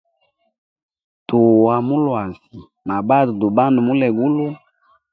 Tua mu luasi, na batwe tu bande mulwegulu.